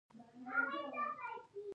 موبایل مو باید ګرم نه کړو.